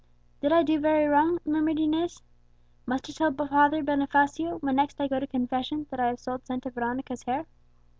"Did I do very wrong?" murmured Inez. "Must I tell Father Bonifacio, when next I go to confession, that I have sold Santa Veronica's hair?"